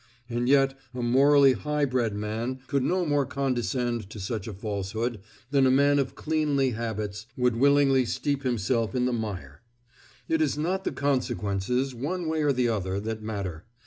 And yet a morally high bred man could no more condescend to such a falsehood than a man of cleanly habits would willingly steep himself in the mire. It is not the consequences, one way or the other, that matter.